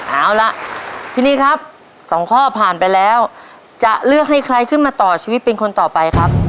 เอาล่ะพี่นีครับสองข้อผ่านไปแล้วจะเลือกให้ใครขึ้นมาต่อชีวิตเป็นคนต่อไปครับ